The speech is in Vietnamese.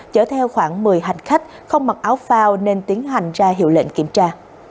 chở theo khoảng một mươi hành khách không mặc áo phao nên tiến hành ra hiệu lệnh kiểm tra